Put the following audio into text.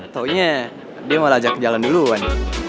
taunya dia mau ajak jalan duluan